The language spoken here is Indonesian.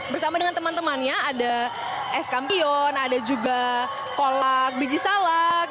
bersama dengan teman temannya ada es kampion ada juga kolak biji salak